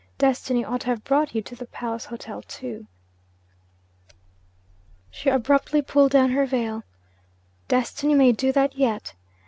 Destiny ought to have brought you to the Palace Hotel too.' She abruptly pulled down her veil. 'Destiny may do that yet!'